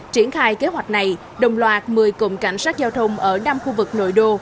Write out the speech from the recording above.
triển khai kế hoạch này đồng loạt một mươi cùng cảnh sát giao thông ở năm khu vực nội đô